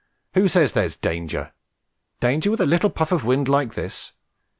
who says there's danger? Danger with a little puff of wind like this?